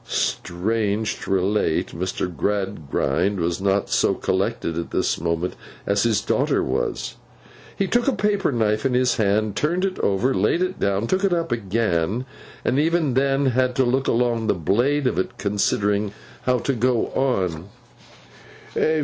Strange to relate, Mr. Gradgrind was not so collected at this moment as his daughter was. He took a paper knife in his hand, turned it over, laid it down, took it up again, and even then had to look along the blade of it, considering how to go on.